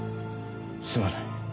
すまない。